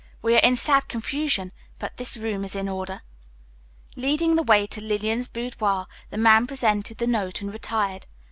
We are in sad confusion, but this room is in order." Leading the way to Lillian's boudoir, the man presented the note and retired.